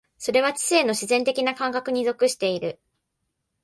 それは知性の自然的な感覚に属している。